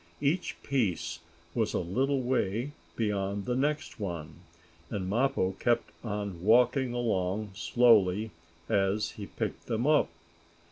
Each piece was a little way beyond the next one, and Mappo kept on walking along slowly as he picked them up.